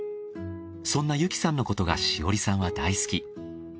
そんな由希さんのことが志織さんは大好き。